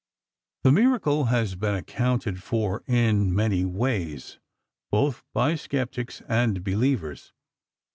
"The miracle has been accounted for in many ways, both by skeptics and believers.